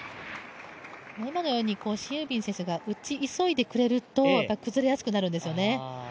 今のようにシン・ユビン選手が打ち急いでくれると崩れやすくなるんですよね。